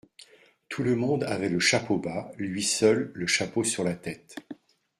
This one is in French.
Tout le monde avait le chapeau bas, lui seul le chapeau sur la tête.